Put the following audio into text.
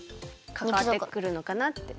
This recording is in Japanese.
かかわってくるのかなって？